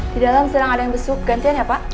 di dalam sedang ada yang besuk gantian ya pak